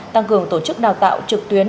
tăng cường tổ chức đào tạo trực tuyến